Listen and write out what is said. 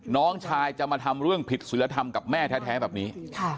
น้องชายจะมาทำเรื่องผิดศิลธรรมกับแม่แท้แบบนี้